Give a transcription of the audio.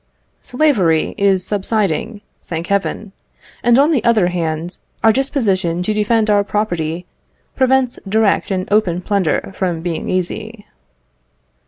Slavery is subsiding, thank heaven! and on the other hand, our disposition to defend our property prevents direct and open plunder from being easy.